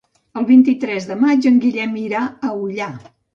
El vint-i-tres de maig en Guillem irà a Ullà.